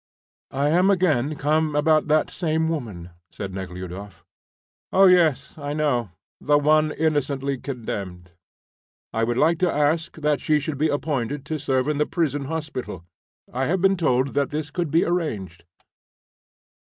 "I am again come about that same woman," said Nekhludoff. "Oh, yes; I know. The one innocently condemned." "I would like to ask that she should be appointed to serve in the prison hospital. I have been told that this could be arranged."